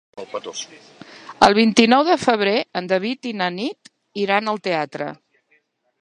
El vint-i-nou de febrer en David i na Nit iran al teatre.